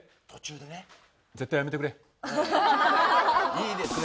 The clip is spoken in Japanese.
いいですね。